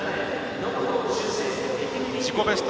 自己ベスト